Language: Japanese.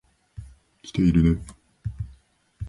来ているね。